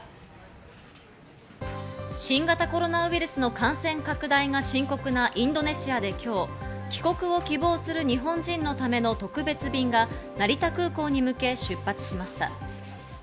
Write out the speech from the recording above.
新型コロナウイルスの感染拡大が深刻なインドネシアで今日、帰国を希望する日本人のための特別便が成田空港に向け、出発しました。